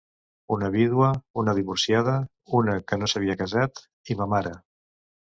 Una vídua, una divorciada, una que no s'havia casat... i ma mare.